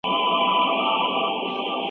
کله کله ساده لارې غوره وي.